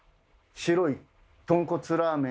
白いとんこつラーメン！